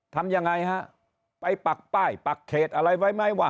ทำยังไงฮะไปปักป้ายปักเขตอะไรไว้ไหมว่า